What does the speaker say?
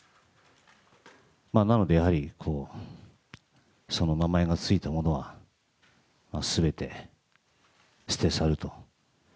なので、その名前が付いたものは全て捨て去ると。